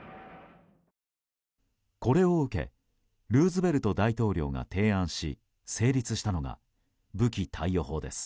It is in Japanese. これを受けルーズベルト大統領が提案し成立したのが武器貸与法です。